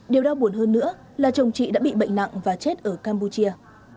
điều đau buồn hơn nữa là chồng chị đã bị bệnh nặng và chết ở campuchia